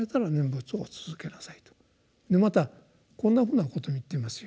またこんなふうなことを言っていますよ。